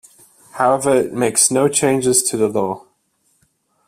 However it makes no changes to the law.